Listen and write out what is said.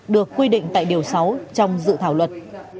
được quy định tại điều sáu trong dự thảo luật